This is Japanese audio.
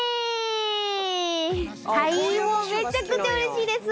もうめちゃくちゃ嬉しいです。